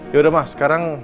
yaudah mah sekarang